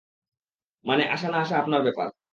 মানে, আসা না আসা আপনার ব্যাপার।